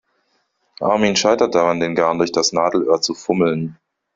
Armin scheitert daran, den Garn durch das Nadelöhr zu fummeln.